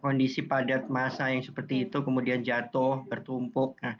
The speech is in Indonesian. kondisi padat masa yang seperti itu kemudian jatuh bertumpuk